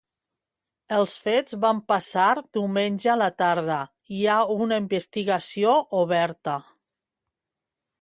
Els fets van passar diumenge a la tarda i hi ha una investigació oberta.